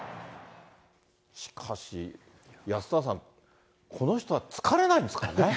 しかし、安田さん、この人は疲れないんですかね。